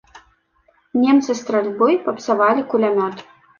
Немцы стральбой папсавалі кулямёт.